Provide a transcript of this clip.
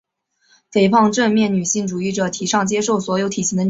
肥胖正面女性主义者提倡接受所有体型的女性。